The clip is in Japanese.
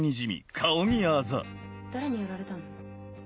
誰にやられたの？